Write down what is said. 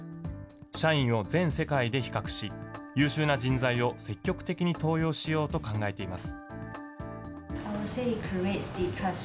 社員を全世界で比較し、優秀な人材を積極的に登用しようと考えています。